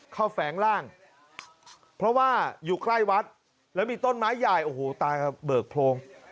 แฝงร่างเพราะว่าอยู่ใกล้วัดแล้วมีต้นไม้ใหญ่โอ้โหตายครับเบิกโพรง